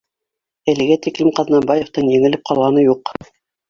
Әлегә тиклем Ҡаҙнабаевтың еңелеп ҡалғаны юҡ